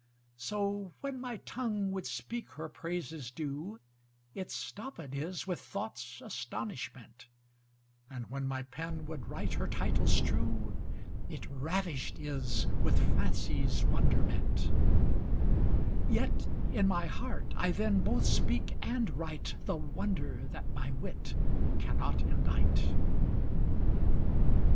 So when my tongue would speak her praises due, It stopped is with thought's astonishment: And when my pen would write her titles true, It ravished is with fancy's wonderment: Yet in my heart I then both speak and write The wonder that my wit cannot endite.